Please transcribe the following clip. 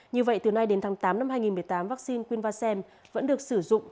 như vậy từ nay đến tháng tám năm hai nghìn một mươi tám vaccine quyên va xem vẫn được sử dụng